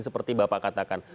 seperti bapak katakan